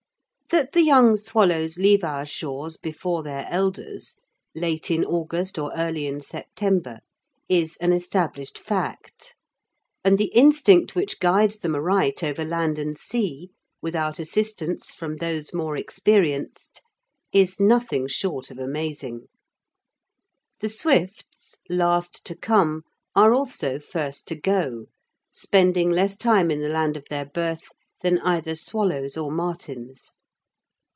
That the young swallows leave our shores before their elders late in August or early in September is an established fact, and the instinct which guides them aright over land and sea, without assistance from those more experienced, is nothing short of amazing. The swifts, last to come, are also first to go, spending less time in the land of their birth than either swallows or martins.